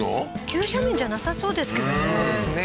急斜面じゃなさそうですけどね